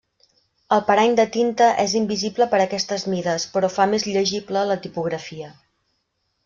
El parany de tinta és invisible per aquestes mides però fa més llegible la tipografia.